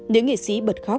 nữ nghệ sĩ bật khóc